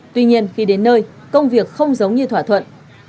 tuy nhiên khi đến nơi công việc không giống như thỏa thuận